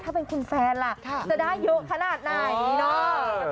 ถ้าเป็นคุณแฟนล่ะจะได้เยอะขนาดไหนเนาะ